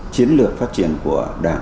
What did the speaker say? chiến lược phát triển của đảng